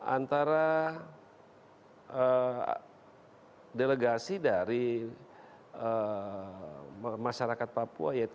antara delegasi dari masyarakat papua